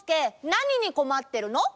なににこまってるの？